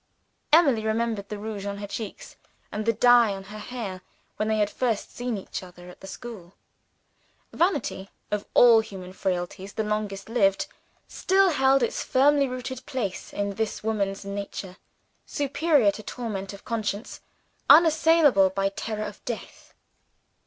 Emily remembered the rouge on her cheeks, and the dye on her hair, when they had first seen each other at the school. Vanity of all human frailties the longest lived still held its firmly rooted place in this woman's nature; superior to torment of conscience, unassailable by terror of death!